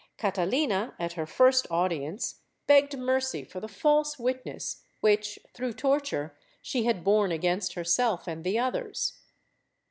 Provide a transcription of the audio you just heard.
Catalina, at her first audience, begged mercy for the false witness which, through torture, she had borne against herself and the others.